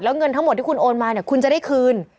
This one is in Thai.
เงินทั้งหมดที่คุณโอนมาเนี่ยคุณจะได้คืน